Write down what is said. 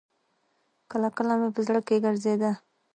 کله کله مې په زړه کښې ګرځېده.